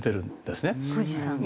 富士山で？